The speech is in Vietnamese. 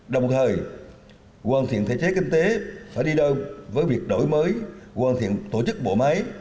đồng thời hoàn thiện thể chế kinh tế phải đi đâu với việc đổi mới hoàn thiện tổ chức bộ máy